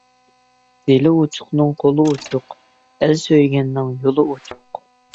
دىلى ئوچۇقنىڭ قولى ئوچۇق، ئەل سۆيگەننىڭ يولى ئوچۇق.